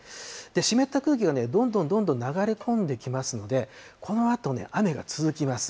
湿った空気がどんどんどんどん流れ込んできますので、このあと、雨が続きます。